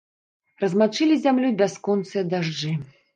Размачылі зямлю бясконцыя дажджы.